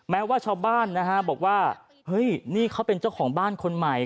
แม้ว่าชาวบ้านนะฮะบอกว่าเฮ้ยนี่เขาเป็นเจ้าของบ้านคนใหม่